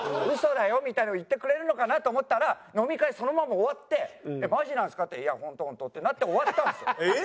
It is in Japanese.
「ウソだよ」みたいなのを言ってくれるのかなと思ったら飲み会そのまま終わって「マジなんすか？」って「いやホントホント」ってなって終わったんですよ。